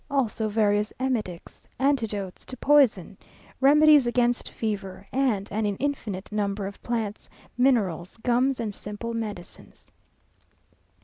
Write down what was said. also various emetics, antidotes to poison, remedies against fever, and an infinite number of plants, minerals, gums, and simple medicines.